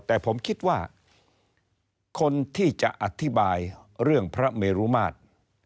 แต่ผมคิดว่าคนที่จะอธิบายเรื่องพระเมรุมาตร